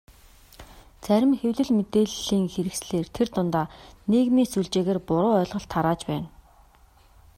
Зарим хэвлэл, мэдээллийн хэрэгслээр тэр дундаа нийгмийн сүлжээгээр буруу ойлголт тарааж байна.